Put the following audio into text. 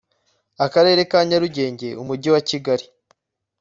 akarere ka nyarugenge umujyi wa kigali